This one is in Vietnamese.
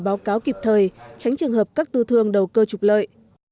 báo cáo kịp thời tránh trường hợp các tư thương đầu cơ trục lợi